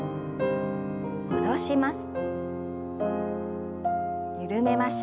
戻します。